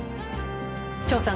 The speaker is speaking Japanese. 張さん